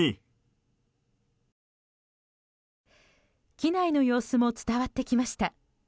機内の様子も伝わってきました。